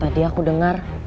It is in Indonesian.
tadi aku dengar